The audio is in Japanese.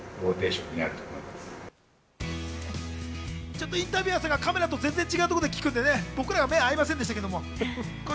ちょっとインタビュアーさん、カメラとは全然違うところで聞くんでね、目線が合いませんでしたけども。